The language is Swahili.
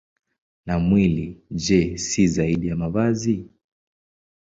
Na mwili, je, si zaidi ya mavazi?